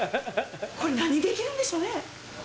これ何出来るんでしょうね？